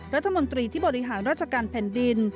รัฐมนตรีที่บริหารราชการแผ่นดิน